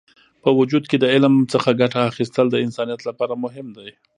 په وجود کې د علم څخه ګټه اخیستل د انسانیت لپاره مهم دی.